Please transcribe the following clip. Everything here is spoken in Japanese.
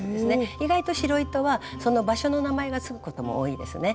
意外と白糸はその場所の名前が付くことも多いですね。